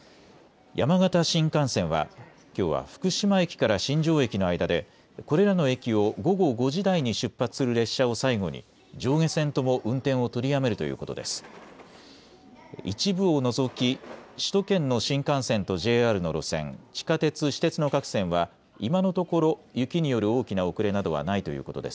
山形新幹線は、きょうは福島駅から新庄駅の間で、これらの駅を午後５時台に出発する列車を最後に、上下線とも運転を取りやめるということです。